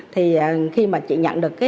thì khi mà chị nhận được